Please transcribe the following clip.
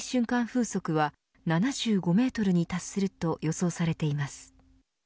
風速は７５メートルに達すると予想されています。